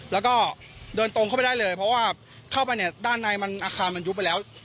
แล้วก็เดินตรงเข้าไปได้เลยเพราะว่าเข้าไปเนี่ยด้านในมันอาคารมันยุบไปแล้ว